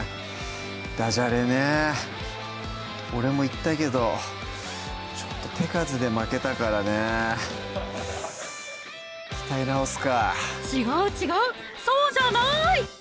だじゃれね俺も言ったけどちょっと手数で負けたからね鍛え直すか違う違うそうじゃない！